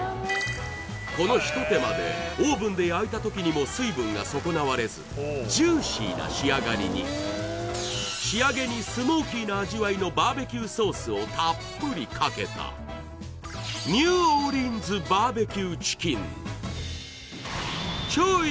この一手間でオーブンで焼いた時にも水分が損なわれずジューシーな仕上がりに仕上げにスモーキーな味わいのＢＢＱソースをたっぷりかけたニューオーリンズＢＢＱ